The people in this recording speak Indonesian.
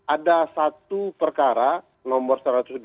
ada satu perkara nomor satu ratus dua puluh